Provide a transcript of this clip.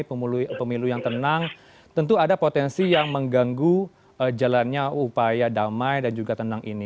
pemilu yang tenang tentu ada potensi yang mengganggu jalannya upaya damai dan juga tenang ini